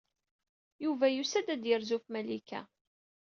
Yuba yusa-d ad yerzu ɣef Malika.